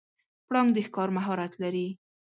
پړانګ د ښکار مهارت لري.